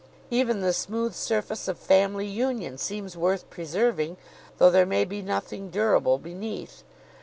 Even the smooth surface of family union seems worth preserving, though there may be nothing durable beneath.